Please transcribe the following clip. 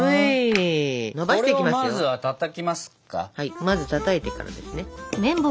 まずたたいてからですね。